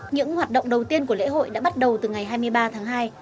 những hoạt động đầu tiên của lễ hội đã bắt đầu từ ngày hai mươi ba tháng hai